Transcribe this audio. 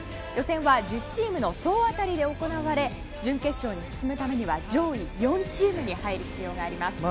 予選は１０チームの総当たりで行われ準決勝に進むためには上位４チームに入る必要があります。